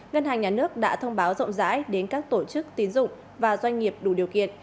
ngân hàng nhà nước đã thông báo rộng rãi đến các tổ chức tín dụng và doanh nghiệp đủ điều kiện